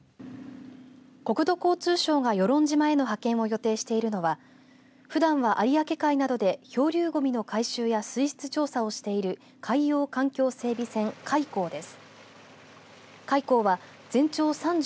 国土交通省が与論島への派遣を予定しているのはふだんは有明海などで漂流ごみの回収や水質調査をしている海洋環境整備船、海煌です。